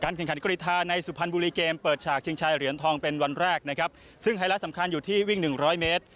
แข่งขันกรีธาในสุพรรณบุรีเกมเปิดฉากชิงชายเหรียญทองเป็นวันแรกนะครับซึ่งไฮไลท์สำคัญอยู่ที่วิ่งหนึ่งร้อยเมตร